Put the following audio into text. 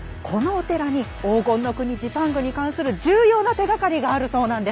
このお寺に黄金の国ジパングに関する重要な手がかりがあるそうなんです。